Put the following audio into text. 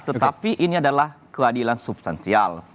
tetapi ini adalah keadilan substansial